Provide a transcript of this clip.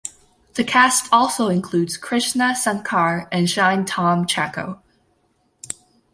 The cast also includes Krishna Sankar and Shine Tom Chacko.